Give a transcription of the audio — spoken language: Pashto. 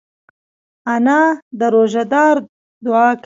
انا د روژهدار دعا کوي